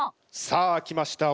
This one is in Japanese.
さあ来ました。